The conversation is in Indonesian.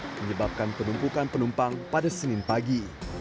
menyebabkan penumpukan penumpang pada senin pagi